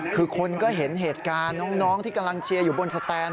คือคนก็เห็นเหตุการณ์น้องที่กำลังเชียร์อยู่บนสแตน